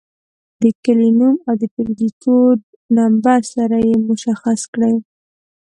د کلي نوم او د ټولګي کوډ نمبر سره یې مشخص کړئ.